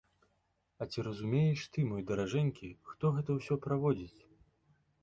А ці разумееш ты, мой даражэнькі, хто гэта ўсё праводзіць?